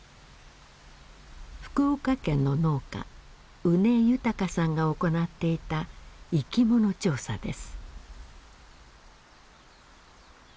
福岡県の農家宇根豊さんが行っていた生き物調査です。